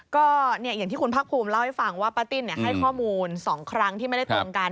ก็อย่างที่คุณภาคภูมิเล่าให้ฟังว่าป้าติ้นให้ข้อมูล๒ครั้งที่ไม่ได้ตรงกัน